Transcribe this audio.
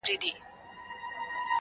نه مو سر نه مو مالونه په امان وي-